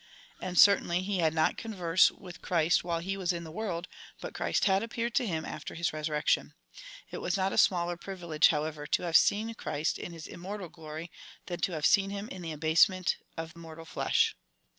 And, certainly, he had not had converse with Christ while he was in the world, but Christ had appeared to him after his resurrection. It was not a smaller privilege, however, to have seen Christ in his immortal glory, than to have seen him in the abasement of CHAP. IX. 2. FIRST EPISTLE TO THE CORINTHIANS. 289 mortal flesh.